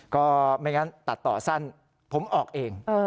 ก็ไม่งั้นตัดต่อสั้นผมออกเอง